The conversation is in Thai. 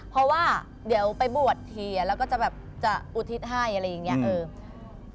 เพราะว่าเดี๋ยวไปบวชทีแล้วก็จะแบบจะอุทิศให้อะไรอย่างนี้